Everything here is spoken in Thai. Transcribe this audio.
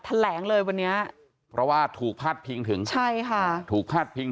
แถลงเลยวันนี้เพราะว่าถูกพาดพิงถึงใช่ค่ะถูกพาดพิง